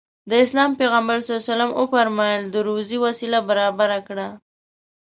د اسلام پيغمبر ص وفرمايل د روزي وسيله برابره کړه.